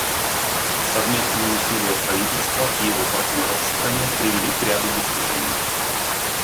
Совместные усилия правительства и его партнеров в стране привели к ряду достижений.